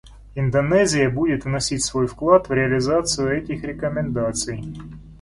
Индонезия будет вносить свой вклад в реализацию этих рекомендаций.